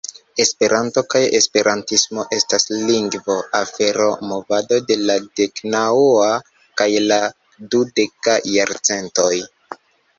Esperanto kaj esperantismo estas lingvo, afero, movado de la deknaŭa kaj la dudeka jarcentoj.